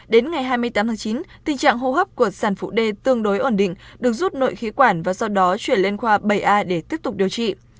đến ngày hai mươi tám tháng chín tình trạng hô hấp của sản phụ d tương đối ổn định được rút nội khí quản và sau đó chuyển lên khoa bảy a để tiếp tục điều trị